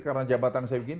karena jabatan saya begini